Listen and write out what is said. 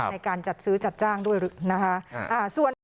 ในการจัดซื้อจัดจ้างด้วยนะคะ